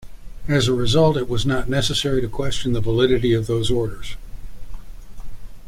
As a result, it was not necessary to question the validity of those orders.